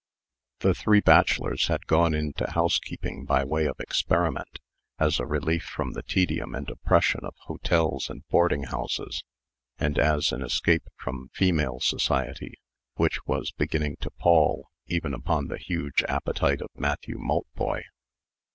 The three bachelors had gone into housekeeping by way of experiment, as a relief from the tedium and oppression of hotels and boarding houses, and as an escape from female society, which was beginning to pall even upon the huge appetite of Matthew Maltboy.